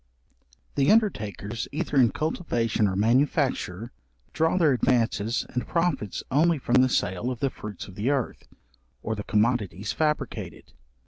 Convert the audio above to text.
The undertakers either in cultivation or manufacture, draw their advances and profits only from the sale of the fruits of the earth, or the commodities fabricated.